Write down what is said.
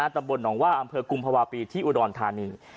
ตำบลหนองว่าอำเภอกุมภาวะปีที่อุดรธานี